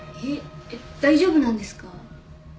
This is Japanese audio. えっ大丈夫なんですか？